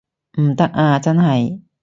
唔得啊真係